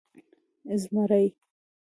🦬 زمری